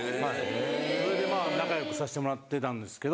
それでまぁ仲良くさしてもらってたんですけど。